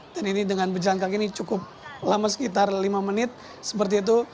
dan ini dengan berjalan kaki ini cukup lama sekitar lima menit seperti itu